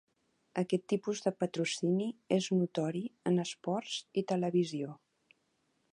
Aquest tipus de patrocini és notori en esports i televisió.